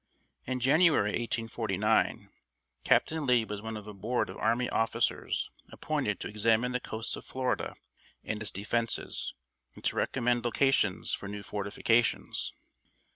In January, 1849, Captain Lee was one of a board of army officers appointed to examine the coasts of Florida and its defences, and to recommend locations for new fortifications.